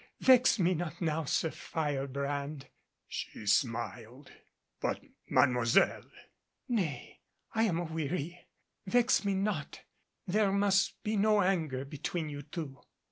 Vex me not now, Sir Firebrand." She smiled. "But, Mademoiselle " "Nay, I am aweary. Vex me not, there must be no anger between you two.